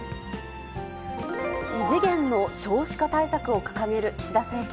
異次元の少子化対策を掲げる岸田政権。